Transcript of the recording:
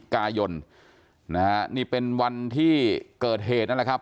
กายนนะฮะนี่เป็นวันที่เกิดเหตุนั่นแหละครับ